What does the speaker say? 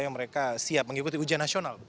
yang mereka siap mengikuti ujian nasional